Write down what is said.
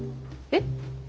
えっ？